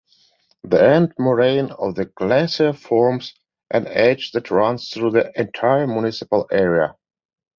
The end moraine of the glacier forms an edge that runs through the entire municipal area.